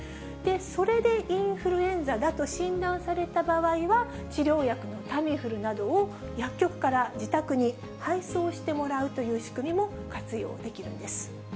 それでインフルエンザだと診断された場合は、治療薬のタミフルなどを薬局から自宅に配送してもらうという仕組みも活用できるんです。